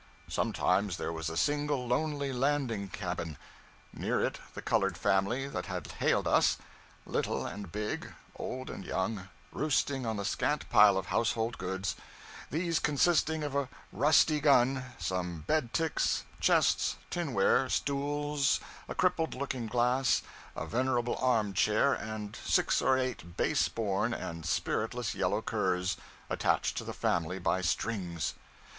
Sometimes there was a single lonely landing cabin; near it the colored family that had hailed us; little and big, old and young, roosting on the scant pile of household goods; these consisting of a rusty gun, some bed ticks, chests, tinware, stools, a crippled looking glass, a venerable arm chair, and six or eight base born and spiritless yellow curs, attached to the family by strings.